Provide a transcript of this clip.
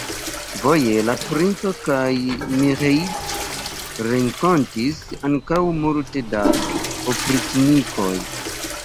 Voje la princo kaj Miĥeiĉ renkontis ankoraŭ multe da opriĉnikoj.